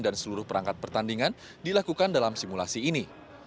dan seluruh perangkat pertandingan dilakukan dalam simulasi ini